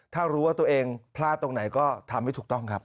ถ้ารู้ว่าตัวเองพลาดตรงไหนก็ทำให้ถูกต้องครับ